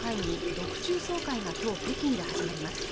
６中総会がきょう北京で始まります